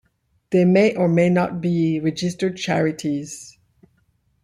They may or may not be registered charities.